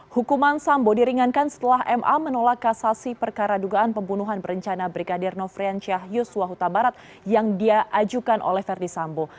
hukuman sambo diringankan setelah ma menolak kasasi perkara dugaan pembunuhan berencana brigadir nofrian syah yusua huta barat yang dia ajukan oleh verdi sambo